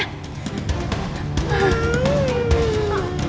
ayolah ini reina kenapa